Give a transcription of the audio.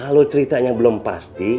kalau ceritanya belum pasti